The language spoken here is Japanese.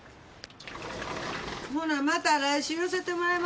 ほなまた来週寄せてもらいますわ。